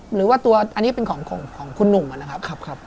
หรือว่าตัวอันนี้เป็นของคุณหนุ่มนะครับ